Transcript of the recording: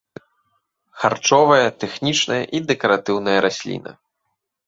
Харчовая, тэхнічная і дэкаратыўная расліна.